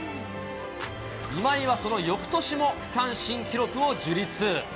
今井はその翌年も区間新記録を樹立。